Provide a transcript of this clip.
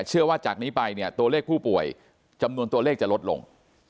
จากนี้ไปเนี่ยตัวเลขผู้ป่วยจำนวนตัวเลขจะลดลง